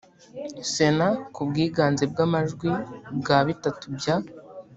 sena ku bwiganze bw amajwi bwa bitatu bya